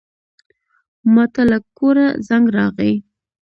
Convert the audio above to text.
ماته له کوره زنګ راغی.